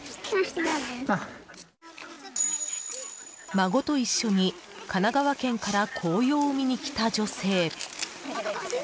孫と一緒に、神奈川県から紅葉を見に来た女性。